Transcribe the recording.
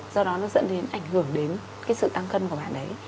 do đó nó dẫn đến ảnh hưởng đến sự tăng cân của bạn ấy